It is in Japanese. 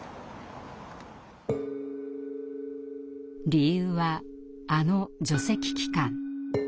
理由はあの「除斥期間」。